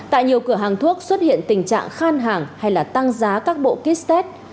tại nhiều cửa hàng thuốc xuất hiện tình trạng khan hàng hay là tăng giá các bộ ký test